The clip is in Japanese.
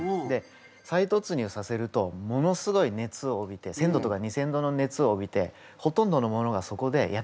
再突入させるとものすごい熱を帯びて１，０００度とか２，０００度の熱を帯びてほとんどのものがそこで焼けてなくなります。